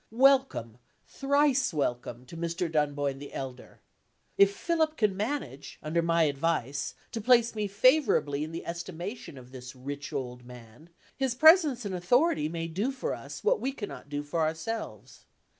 Welcome, thrice welcome, to Mr. Dunboyne the elder! If Philip can manage, under my advice, to place me favorably in the estimation of this rich old man, his presence and authority may do for us what we cannot do for ourselves.